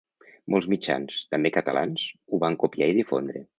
Molts mitjans, també catalans, ho van copiar i difondre.